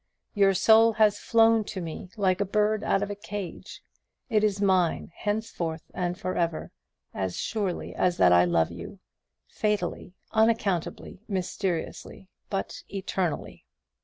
Your soul has flown to me like a bird out of a cage; it is mine henceforth and for ever; as surely as that I love you, fatally, unaccountably, mysteriously, but eternally.